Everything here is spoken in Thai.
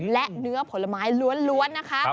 และเนื้อผลไม้ล้วนนะคะ